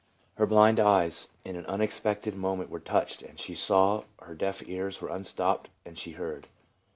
Her "blind eyes in an unexpected moment were touched, and she saw ; her deaf ears were unstopped, and she heard.